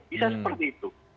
bisa seperti itu